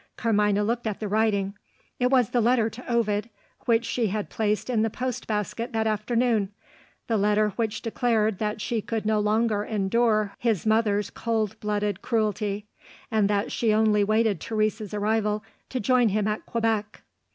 Carmina looked at the writing. It was the letter to Ovid, which she had placed in the post basket that afternoon; the letter which declared that she could no longer endure his mother's cold blooded cruelty, and that she only waited Teresa's arrival to join him at Quebec.